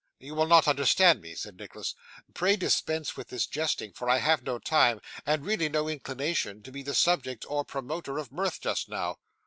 'You will not understand me,' said Nicholas. 'Pray dispense with this jesting, for I have no time, and really no inclination, to be the subject or promoter of mirth just now.